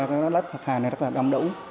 các lớp học hà này rất là đông đủ